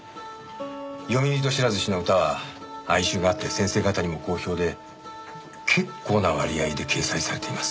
詠み人知らず氏の歌は哀愁があって先生方にも好評で結構な割合で掲載されています。